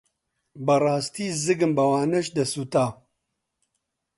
بەڕاستی زگم بەوانەش دەسووتا.